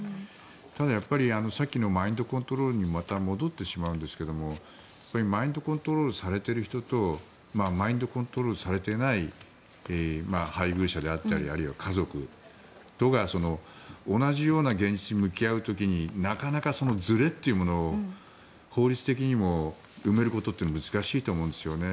ただ、マインドコントロールに戻ってしまうんですけどマインドコントロールされている人とマインドコントロールされていない配偶者であったりあるいは家族などが同じような現実に向き合う時になかなか、そのずれというものを法律的にも埋めることというのは難しいと思うんですよね。